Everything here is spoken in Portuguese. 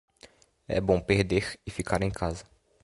É bom perder e ficar em casa.